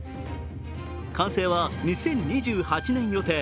完成は２０２８年予定。